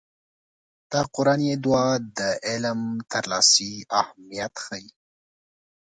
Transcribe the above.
دا قرآني دعا د علم ترلاسي اهميت ښيي.